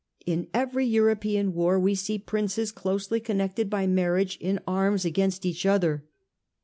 In every European war we see princes closely connected by marriage in arms against each other.